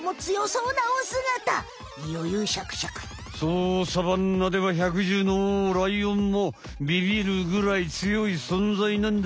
そうサバンナではひゃくじゅうのおうライオンもビビるぐらい強いそんざいなんだ。